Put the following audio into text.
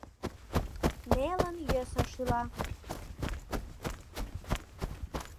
Нелын-йӧсын шӱла;